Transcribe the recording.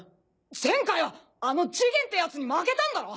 前回はあのジゲンってヤツに負けたんだろ？